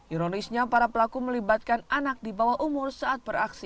ironisnya para pelaku melibatkan anak di bawah umur saat beraksi